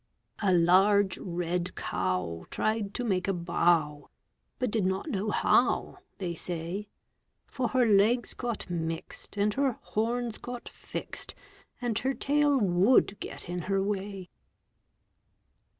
A large red cow Tried to make a bow, But did not know how, They say. For her legs got mixed, And her horns got fixed, And her tail would get In her way.